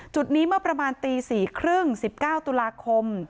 จุดนี้เมื่อประมาณตี๔๓๐๑๙ตุลาคม